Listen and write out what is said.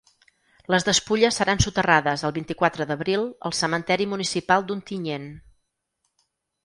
Les despulles seran soterrades el vint-i-quatre d’abril al cementeri municipal d’Ontinyent.